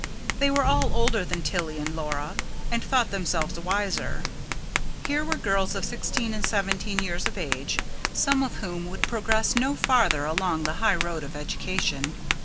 They were all older than Tilly and Laura, and thought themselves wiser: here were girls of sixteen and seventeen years of age, some of whom would progress no farther along the high road of education.